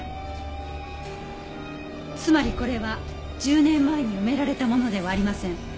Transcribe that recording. つまりこれは１０年前に埋められたものではありません。